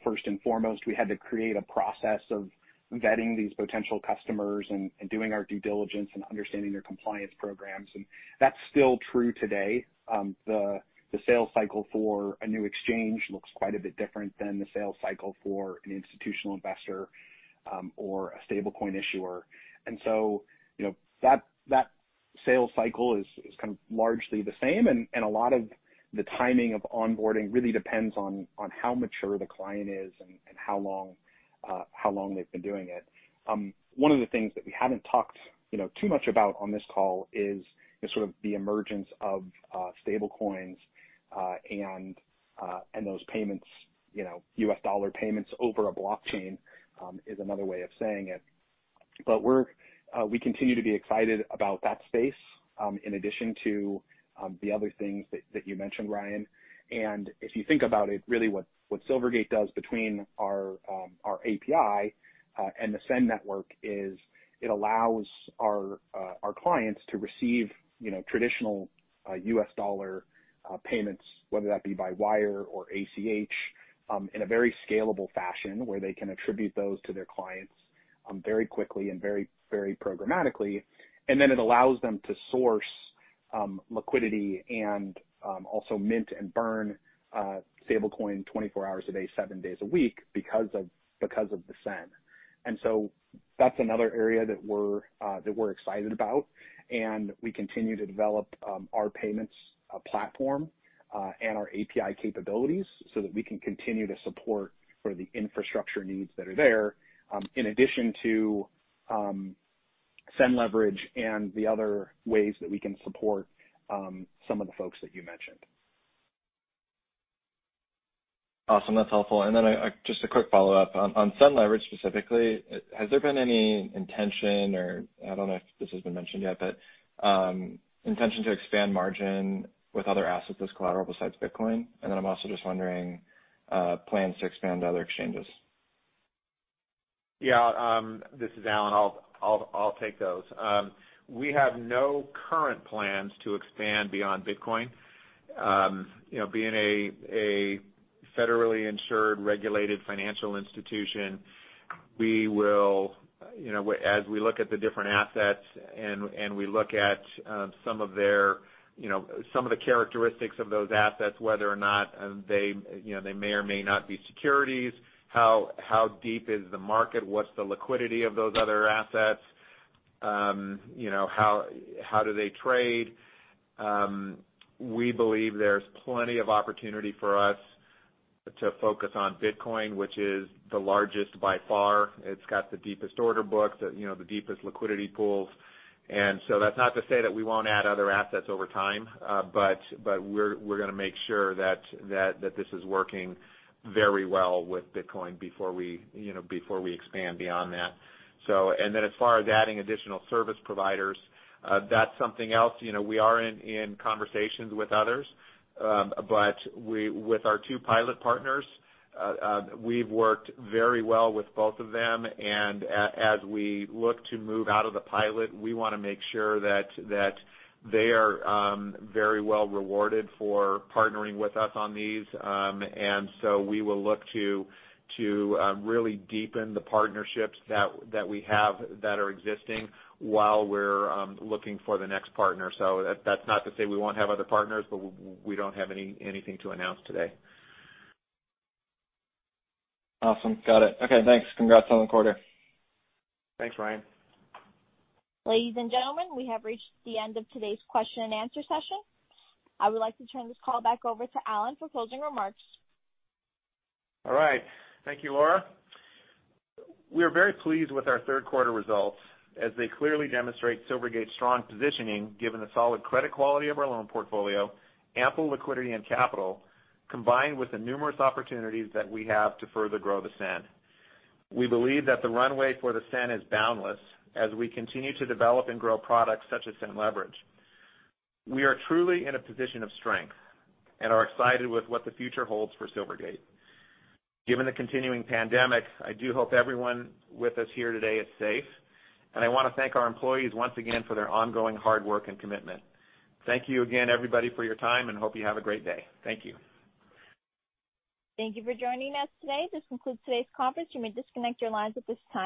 first and foremost, we had to create a process of vetting these potential customers and doing our due diligence and understanding their compliance programs. That's still true today. The sales cycle for a new exchange looks quite a bit different than the sales cycle for an institutional investor or a stablecoin issuer. That sales cycle is kind of largely the same, and a lot of the timing of onboarding really depends on how mature the client is and how long they've been doing it. One of the things that we haven't talked too much about on this call is sort of the emergence of stablecoins and those payments, US dollar payments over a blockchain, is another way of saying it. We continue to be excited about that space, in addition to the other things that you mentioned, Ryan. If you think about it, really what Silvergate Capital Corporation does between our API and the SEN Network is it allows our clients to receive traditional US dollar payments, whether that be by wire or ACH, in a very scalable fashion where they can attribute those to their clients very quickly and very programmatically. Then it allows them to source liquidity and also mint and burn stablecoin 24 hours a day, seven days a week because of the SEN. That's another area that we're excited about, and we continue to develop our payments platform, and our API capabilities so that we can continue to support for the infrastructure needs that are there, in addition to SEN Leverage and the other ways that we can support some of the folks that you mentioned. Awesome. That's helpful. Just a quick follow-up. On SEN Leverage specifically, has there been any intention or, I don't know if this has been mentioned yet, but intention to expand margin with other assets as collateral besides Bitcoin? I'm also just wondering plans to expand to other exchanges. Yeah. This is Alan. I'll take those. We have no current plans to expand beyond Bitcoin. Being a federally insured, regulated financial institution, as we look at the different assets and we look at some of the characteristics of those assets, whether or not they may or may not be securities. How deep is the market? What's the liquidity of those other assets? How do they trade? We believe there's plenty of opportunity for us to focus on Bitcoin, which is the largest by far. It's got the deepest order books, the deepest liquidity pools. That's not to say that we won't add other assets over time, but we're going to make sure that this is working very well with Bitcoin before we expand beyond that. As far as adding additional service providers, that's something else. We are in conversations with others. With our two pilot partners, we've worked very well with both of them, and as we look to move out of the pilot, we want to make sure that they are very well rewarded for partnering with us on these. We will look to really deepen the partnerships that we have that are existing while we're looking for the next partner. That's not to say we won't have other partners, but we don't have anything to announce today. Awesome. Got it. Okay, thanks. Congrats on the quarter. Thanks, Ryan. Ladies and gentlemen, we have reached the end of today's question and answer session. I would like to turn this call back over to Alan for closing remarks. All right. Thank you, Laura. We are very pleased with our third quarter results as they clearly demonstrate Silvergate Capital Corporation strong positioning given the solid credit quality of our loan portfolio, ample liquidity and capital, combined with the numerous opportunities that we have to further grow the SEN. We believe that the runway for the SEN is boundless as we continue to develop and grow products such as SEN Leverage. We are truly in a position of strength and are excited with what the future holds for Silvergate Capital Corporation. Given the continuing pandemic, I do hope everyone with us here today is safe, and I want to thank our employees once again for their ongoing hard work and commitment. Thank you again, everybody, for your time, and hope you have a great day. Thank you. Thank you for joining us today. This concludes today's conference. You may disconnect your lines at this time.